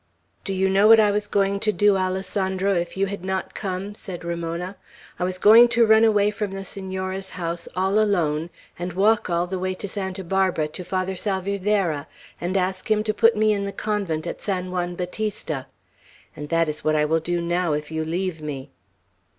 "Do you know what I was going to do, Alessandro, if you had not come?" said Ramona. "I was going to run away from the Senora's house, all alone, and walk all the way to Santa Barbara, to Father Salvierderra, and ask him to put me in the convent at San Juan Bautista; and that is what I will do now if you leave me!"